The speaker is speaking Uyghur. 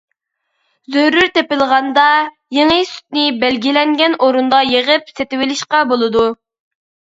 زۆرۈر تېپىلغاندا، يېڭى سۈتنى بەلگىلەنگەن ئورۇندا يىغىپ سېتىۋېلىشقا بولىدۇ.